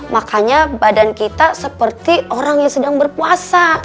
makanya badan kita seperti orang yang sedang berpuasa